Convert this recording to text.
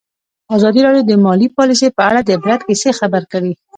ازادي راډیو د مالي پالیسي په اړه د عبرت کیسې خبر کړي.